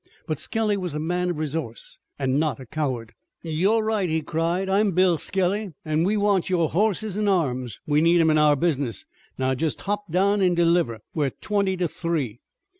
But Skelly was a man of resource and not a coward. "You're right," he cried, "I'm Bill Skelly, an' we want your horses an' arms. We need 'em in our business. Now, just hop down an' deliver. We're twenty to three."